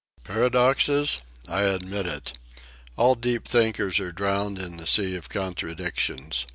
Paradoxes? I admit it. All deep thinkers are drowned in the sea of contradictions.